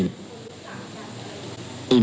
ไม่มีครับไม่มี